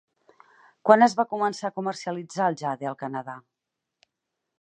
Quan es va començar a comercialitzar el jade al Canadà?